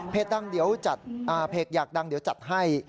เพจอยากดังเดี๋ยวจัดให้